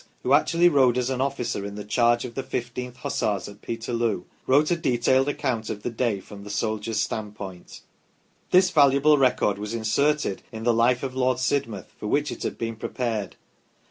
M.P., who actually rode as an officer in the charge of the 1 5th Hussars at Peterloo, wrote a detailed account of the day from the soldier's standpoint. This valuable record was inserted in " The Life of Lord Sidmouth," for which it had been prepared.